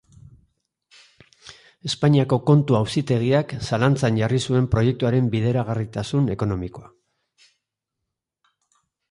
Espainiako Kontu Auzitegiak zalantzan jarri zuen proiektuaren bideragarritasun ekonomikoa,